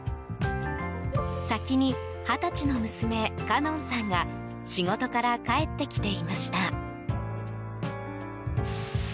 先に二十歳の娘・奏音さんが仕事から帰ってきていました。